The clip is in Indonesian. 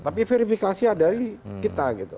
tapi verifikasi ada di kita